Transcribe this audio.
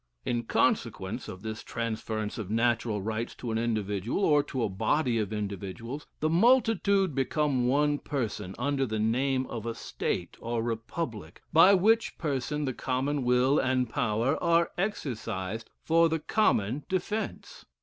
In consequence of this transference of natural rights to an individual, or to a body of individuals, the multitude become one person, under the name of a State, or Republic, by which person the common will and power are exercised for the common defence.